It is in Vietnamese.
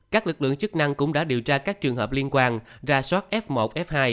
các lực lượng chức năng cũng đã điều tra các trường hợp liên quan ra soát f một f hai